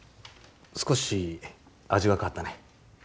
少し味が変わったね。